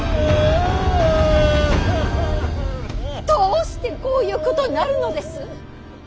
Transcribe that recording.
どうしてこういうことになるのです。